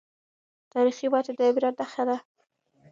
تاریخي ماتې د عبرت نښه ده.